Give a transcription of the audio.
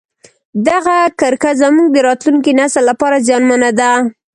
دغه کرښه زموږ د راتلونکي نسل لپاره زیانمنه ده.